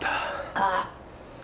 ああ！